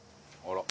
あら？